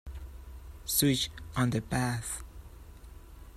Switch on the bath.